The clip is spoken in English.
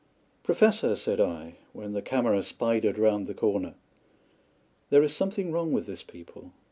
"Professor," said I, when the camera spidered round the corner, "there is something wrong with this people.